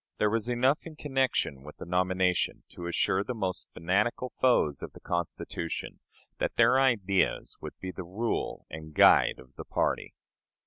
There was enough in connection with the nomination to assure the most fanatical foes of the Constitution that their ideas would be the rule and guide of the party.